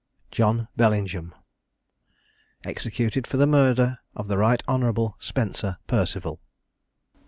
JOHN BELLINGHAM. EXECUTED FOR THE MURDER OF THE RIGHT HONOURABLE SPENCER PERCEVAL.